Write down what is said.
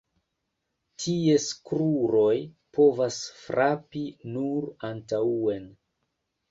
Ties kruroj povas frapi nur antaŭen.